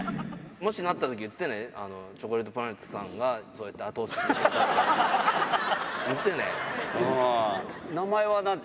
もしなったとき言ってね、チョコレートプラネットさんが、そうやって後押ししてくれたって。